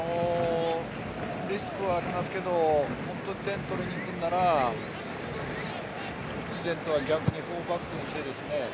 リスクはありますけど本当に点を取りにいくのなら以前とは逆に４バックにしてですね